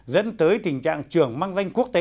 dẫn tới tình trạng trường mang danh quốc tế